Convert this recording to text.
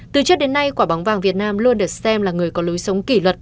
từ trước đến nay quả bóng vàng việt nam luôn được xem là người có lối sống kỷ luật